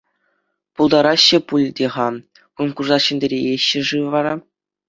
Пултараҫҫӗ пуль те-ха, конкурса ҫӗнтерееҫҫӗ-ши вара?